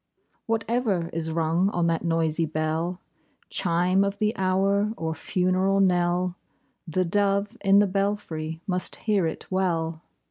Whatever is rung on that noisy bell — Chime of the hour or funeral knell — The dove in the belfry must hear it well.